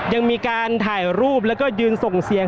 ยังมีการถ่ายรูปแล้วก็ยืนส่งเสียง